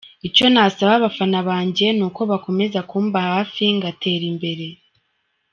Icyo nasaba abafana banjye ni uko bakomeza kumba hafi ngatera imbere.